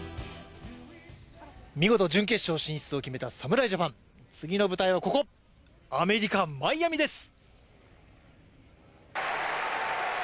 見事、準決勝進出を決めた侍ジャパン、次の舞台はここ、アメリカ・マイアミです。